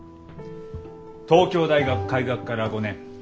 東京大学開学から５年。